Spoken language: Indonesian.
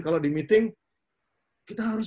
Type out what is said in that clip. kalau di meeting kita harus